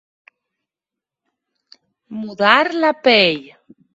Mudar la pell.